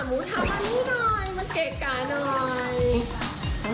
มูท้ามานี่หน่อย